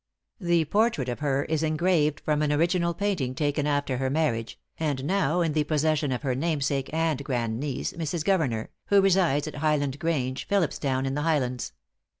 The portrait of her is engraved from an original painting taken after her marriage, and now in the possession of her namesake and grandniece, Mrs. Governeur, who resides at "Highland Grange," Philipstown, in the Highlands.